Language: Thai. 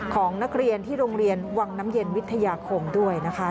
ของนักเรียนที่โรงเรียนวังน้ำเย็นวิทยาคมด้วยนะคะ